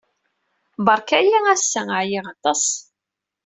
Beṛka-iyi ass-a. ɛyiɣ aṭas.